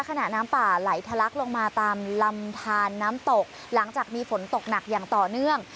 น้ำป่าไหลทะลักลงมาตามลำทานน้ำตกหลังจากมีฝนตกหนักอย่างต่อเนื่อง